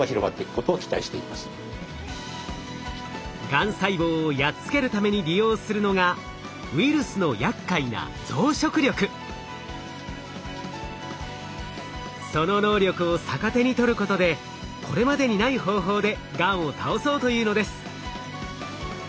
がん細胞をやっつけるために利用するのがウイルスのやっかいなその能力を逆手に取ることでこれまでにない方法でがんを倒そうというのです。